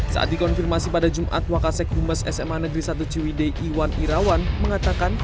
saat dikonfirmasi pada jumat wakasek humas sma negeri satu ciwidei iwan irawan mengatakan